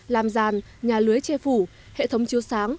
làm giàn nhà lưới che phủ hệ thống chiếu sáng